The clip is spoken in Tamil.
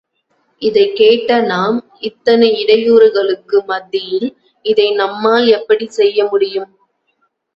இதைக் கேட்ட நாம், இத்தனை இடையூறுகளுக்கு மத்தியில் இதை நம்மால் எப்படிச் செய்ய முடியும்?